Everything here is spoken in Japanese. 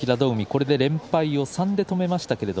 これで連敗を３で止めました。